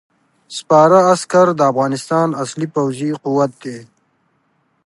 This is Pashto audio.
سپاره عسکر د افغانستان اصلي پوځي قوت دی.